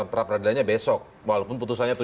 pra peradilannya besok walaupun putusannya